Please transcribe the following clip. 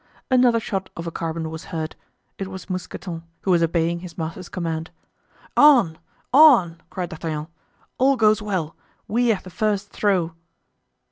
Another shot of a carbine was heard. It was Mousqueton, who was obeying his master's command. "On! on!" cried D'Artagnan; "all goes well! we have the first throw."